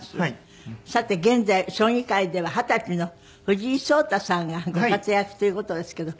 さて現在将棋界では二十歳の藤井聡太さんがご活躍という事ですけど。